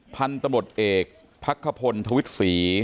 พันธุ์ตำรวจเอกพักขพลทวิทย์ศรี